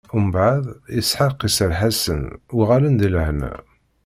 Mbeɛd, Isḥaq iserreḥ-asen, uɣalen di lehna.